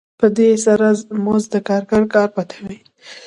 په دې سره مزد د کارګر کار پټوي